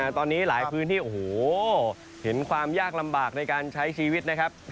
ตอนนี้หลายพื้นที่โอ้โหเห็นความยากลำบากในการใช้ชีวิตนะครับ